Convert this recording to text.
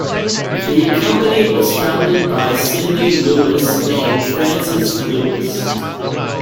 The company was founded by Sydney Lewis and Frances Lewis.